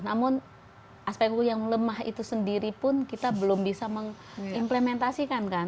namun aspek hukum yang lemah itu sendiri pun kita belum bisa mengimplementasikan kan